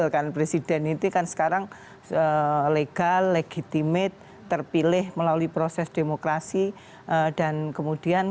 bukan presiden hgr sekarang selegal legitimate terpilih melalui proses demokrasi dan kemudian